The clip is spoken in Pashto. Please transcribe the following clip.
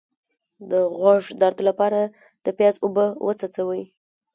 د غوږ درد لپاره د پیاز اوبه وڅڅوئ